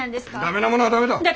ダメなものはダメだ！